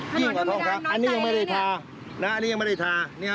ยิ่งกว่าท่องครับอันนี้ยังไม่ได้ทาอันนี้ยังไม่ได้ทา